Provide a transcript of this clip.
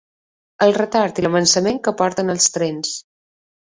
El retard i l’avançament que porten els trens.